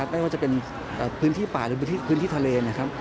ไม่ว่าจะเป็นพื้นที่ป่าหรือพื้นที่ทะเลนะครับ